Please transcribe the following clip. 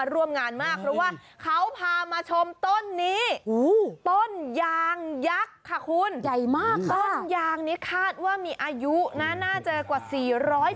ยักษ์ค่ะคุณต้นยางนี้คาดว่ามีอายุนะน่าจะกว่า๔๐๐ปี